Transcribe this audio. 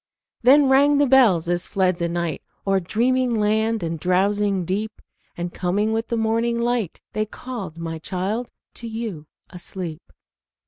Then rang the bells as fled the night O'er dreaming land and drowsing deep, And coming with the morning light, They called, my child, to you asleep.